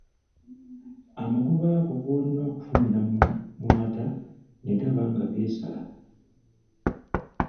Amagoba go g’olina okufunira mu mata ne gaba nga geesala.